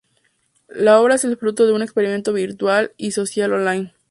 La obra es el fruto de un experimento virtual y social online.